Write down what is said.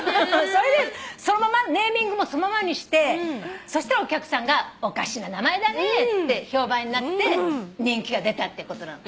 それでネーミングもそのままにしてそしたらお客さんが「おかしな名前だね」って評判になって人気が出たってことなの。